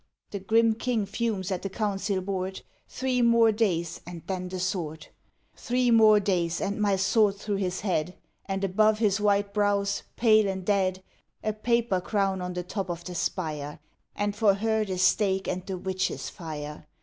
The grim king fumes at the council board: Three more days, and then the sword; Three more days, and my sword through his head; And above his white brows, pale and dead, A paper crown on the top of the spire; And for her the stake and the witches' fire.